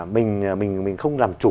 mình không làm chủ